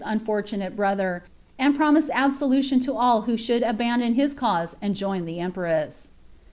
unfortunate brother) and pmoiued absolution lo all who should abandon his cause and join the tmprasa.'